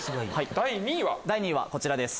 第２位はこちらです。